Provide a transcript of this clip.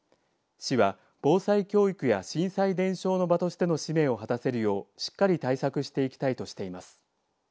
市は防災教育や震災伝承の場としての使命を果たせるようしっかり対策していきたいとしています。